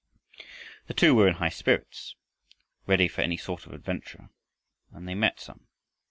The two were in high spirits, ready for any sort of adventure and they met some.